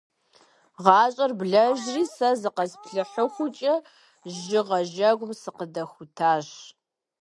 ГъащӀэр блэжри, сэ зыкъэсплъыхьыхукӀэ, жьыгъэ жьэгум сыкъыдэхутащ.